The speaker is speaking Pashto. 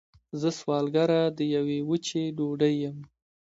زه سوالګره د یوې وچې ډوډۍ یم